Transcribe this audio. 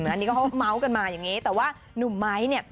อันนี้เขาเมาส์กันมาอย่างนี้แต่ว่าหนุ่มไม้เนี่ย